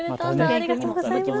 ありがとうございます。